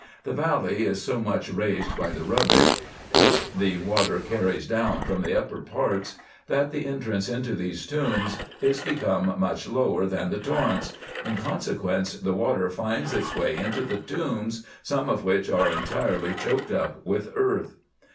The valley is so much raised by the rubbish, which the water carries down from the upper parts, that the entrance into these tombs is become much lower than the torrents ; in consequence, the water finds its way into the tombs, some of which are entirely choked up with earth.